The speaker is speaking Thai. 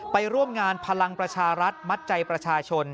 ไปร่วมงานพลังประชารัฐมัดใจประชาชน